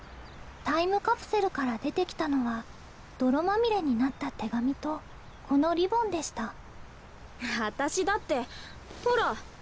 タイムカプセルから出てきたのは泥まみれになった手紙とこのリボンでした私だってほら。